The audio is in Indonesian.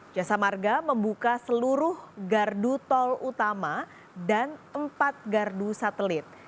jasa marga membuka seluruh gardu tol utama dan empat gardu satelit